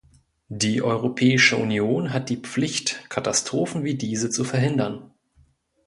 Die Europäische Union hat die Pflicht, Katastrophen wie diese zu verhindern.